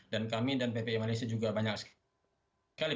dan kami dan ppim malaysia juga banyak sekali